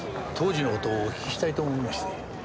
当時の事をお聞きしたいと思いまして。